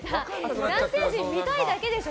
男性陣見たいだけでしょ。